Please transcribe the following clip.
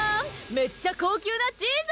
めっちゃ高級なチーズ。